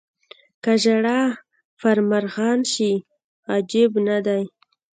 که ژړا پر مرغان شي عجب نه دی.